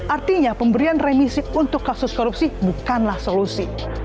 artinya pemberian remisi untuk kasus korupsi bukanlah solusi